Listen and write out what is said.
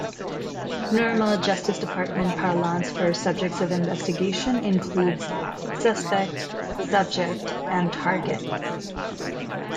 Normal Justice Department parlance for subjects of investigation includes "suspect," "subject" and "target.